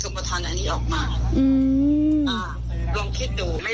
ของแพงให้อิสเตอร์เนี่ยเขาจะต้องบอกคุณแม่